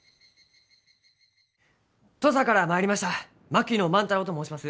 土佐から参りました槙野万太郎と申します。